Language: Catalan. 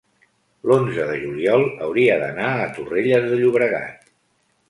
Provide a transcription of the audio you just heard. l'onze de juliol hauria d'anar a Torrelles de Llobregat.